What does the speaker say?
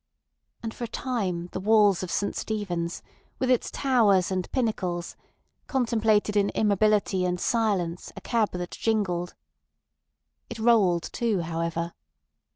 And for a time the walls of St Stephen's, with its towers and pinnacles, contemplated in immobility and silence a cab that jingled. It rolled too, however.